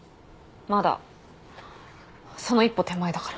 まだその一歩手前だから。